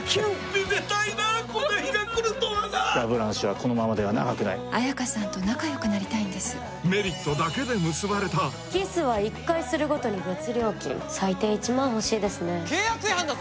めでたいなこんな日が来るとはなラ・ブランシュはこのままでは長くない綾華さんと仲よくなりたいんですキスは１回するごとに別料金最低１万欲しいですね契約違反だぞ！